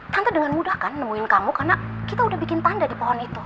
tante dengan mudah kan nemuin kamu karena kita udah bikin tanda di pohon itu